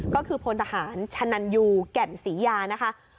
ก็คือพลทหารชะนันยูแก่นศรียานะคะ